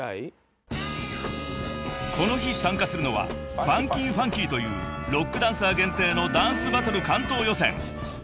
［この日参加するのはＦＵＮＫＹＦＵＮＫＹというロックダンサー限定のダンスバトル関東予選］